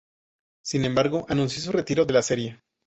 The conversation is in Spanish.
Sin embargo anunció su retiro de la serie.